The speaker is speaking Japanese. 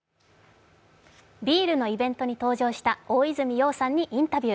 ビールのイベントに登場した大泉洋さんにインタビュー。